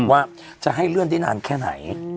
ว่าจะให้เลื่อนได้นานแค่ไหน